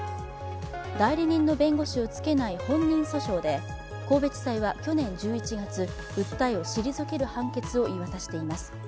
代理人の弁護士をつけない本人訴訟で神戸地裁は去年１１月、訴えを退ける判決を言い渡しています。